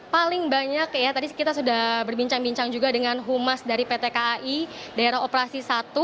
paling banyak ya tadi kita sudah berbincang bincang juga dengan humas dari pt kai daerah operasi satu